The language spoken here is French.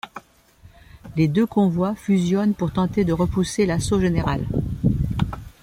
Les deux convois fusionnent pour tenter de repousser l'assaut général.